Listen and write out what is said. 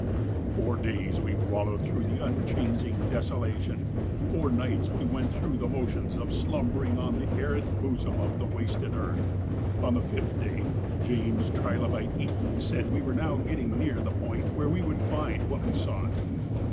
Four days we wallowed through the unchanging desolation. Four nights we went through the motions of slumbering on the arid bosom of the wasted earth. On the fifth day James Trilobite Eton said we were now getting near the point where we would find what we sought.